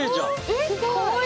えっ！